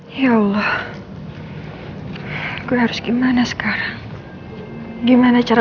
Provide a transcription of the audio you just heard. tidak hanya memang benar